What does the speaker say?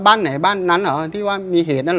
บ้านไหนบ้านนั้นเหรอที่ว่ามีเหตุนั้น